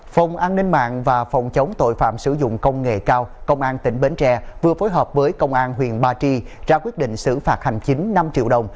phòng an ninh mạng và phòng chống tội phạm sử dụng công nghệ cao công an tp hcm vừa phối hợp với công an huyền ba tri ra quyết định xử phạt hành chính năm triệu đồng